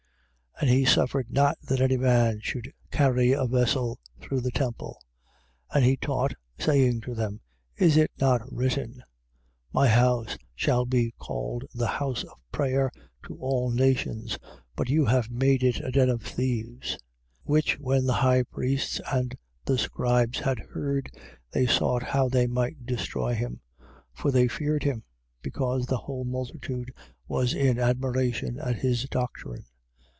11:16. And he suffered not that any man should carry a vessel through the temple. 11:17. And he taught, saying to them: Is it not written: My house shall be called the house of prayer to all nations, but you have made it a den of thieves. 11:18. Which when the chief priests and the scribes had heard, they sought how they might destroy him. For they feared him, because the whole multitude was in admiration at his doctrine.